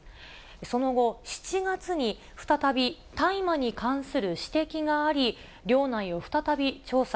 その後、７月に再び大麻に関する指摘があり、寮内を再び調査。